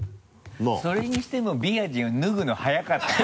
それにしても備安士は脱ぐの早かったな。